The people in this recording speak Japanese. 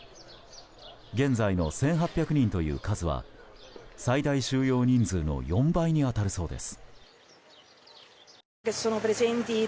現在の１８００人という数は最大収容人数の４倍に当たるそうです。